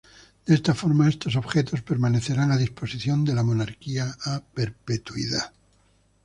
De esta forma estos objetos permanecerán a disposición de la monarquía a perpetuidad.